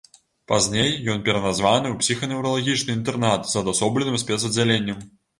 Пазней ён пераназваны ў псіханеўралагічны інтэрнат з адасобленым спецаддзяленнем.